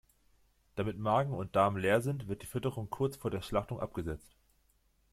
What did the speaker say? Damit Magen und Darm leer sind, wird die Fütterung kurz vor der Schlachtung abgesetzt.